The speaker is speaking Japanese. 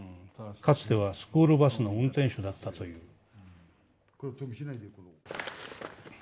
かつてはスクールバスの運転手だったという」。